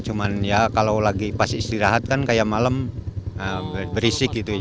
cuman ya kalau lagi pas istirahat kan kayak malam berisik gitu